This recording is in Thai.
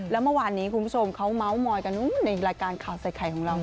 เรื่องรับเป็นยังไงครับคุณต้มห้า